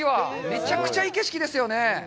めちゃくちゃいい景色ですよね。